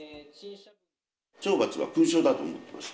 懲罰は勲章だと思ってます。